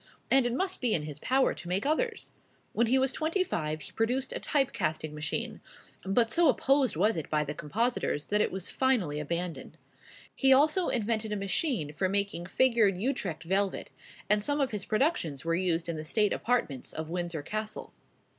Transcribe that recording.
and it must be in his power to make others. When he was twenty five he produced a type casting machine; but so opposed was it by the compositors, that it was finally abandoned. He also invented a machine for making figured Utrecht velvet; and some of his productions were used in the state apartments of Windsor Castle.